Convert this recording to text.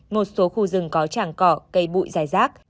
một số khu rừng có trảng cỏ cây bụi giải rác